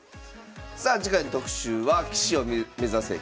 さあ次回の特集は「棋士を目指せ！研修会」です。